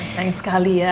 sayang sekali ya